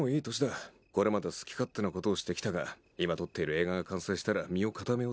これまで好き勝手なことをしてきたが今撮っている映画が完成したら身を固めようと思う。